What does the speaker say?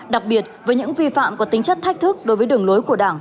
đặc biệt với những vi phạm có tính chất thách thức đối với đường lối của đảng